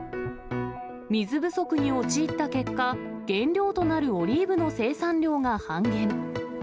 水不足に陥った結果、原料となるオリーブの生産量が半減。